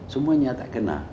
semuanya tak kenal